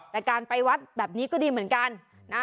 แต่การไปวัดแบบนี้ก็ดีเหมือนกันนะ